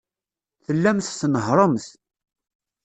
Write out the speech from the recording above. Tellamt tnehhṛemt.